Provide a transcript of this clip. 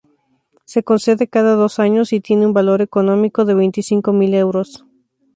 Se concede cada dos años y tiene un valor económico de veinticinco mil euros.